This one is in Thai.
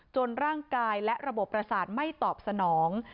ร่างกายและระบบประสาทไม่ตอบสนอง